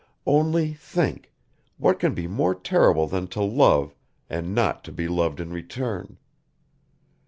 Only think, what can be more terrible than to love and not to be loved in return.